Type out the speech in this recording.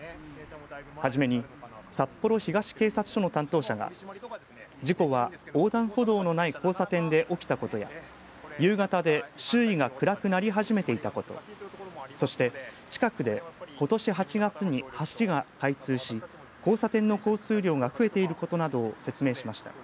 初めに札幌東警察署の担当者が事故は横断歩道のない交差点で起きたことや夕方で周囲が暗くなり始めていたことそして近くでことし８月に橋が開通し交差点の交通量が増えていることなどを説明しました。